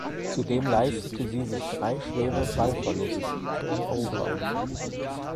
Zudem leistete sie sich drei schwere Ballverluste ("Turnover").